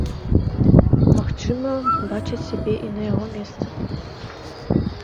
Магчыма, бачаць сябе і на яго месцы.